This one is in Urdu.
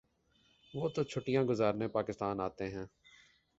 وہ تو چھٹیاں گزارنے پاکستان آتے ہیں۔